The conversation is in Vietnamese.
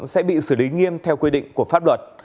sẽ bị xử lý nghiêm theo quy định của pháp luật